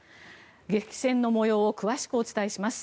激戦の模様を詳しくお伝えします。